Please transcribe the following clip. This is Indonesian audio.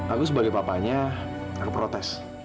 aku sebagai papanya aku protes